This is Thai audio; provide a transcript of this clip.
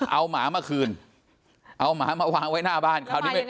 เอาหมามาคืนเอาหมามาวางไว้หน้าบ้าน